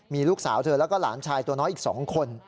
มีลูกสาวเธอแล้วก็หลานชายตัวน้อยอีก๒คน